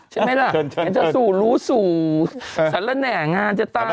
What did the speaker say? เชิญเห็นตะสูรู้สูสารแน่งานจะตาย